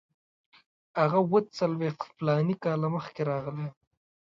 هغه اوه څلوېښت فلاني کاله مخکې راغلی وو.